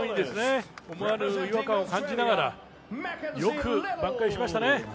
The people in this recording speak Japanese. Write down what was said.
違和感を感じながら、よく挽回しましたね。